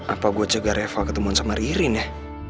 apa gue jaga reva ketemuan sama ririn ya